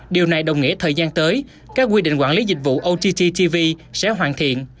điều này đồng nghĩa thời gian tới các quy định quản lý dịch vụ ott tv sẽ hoàn thiện